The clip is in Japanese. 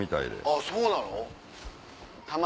あっそうなの？